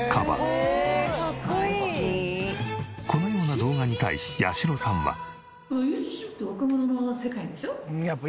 このような動画に対し八代さんは。